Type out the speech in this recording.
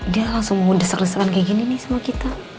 dia langsung mengundesak undesakan kayak gini nih sama kita